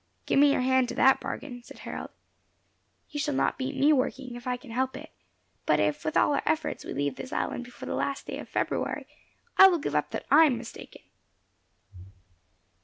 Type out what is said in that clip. "Give me your hand to that bargain," said Harold. "You shall not beat me working, if I can help it; but if, with all our efforts, we leave this island before the last day of February, I will give up that I am mistaken."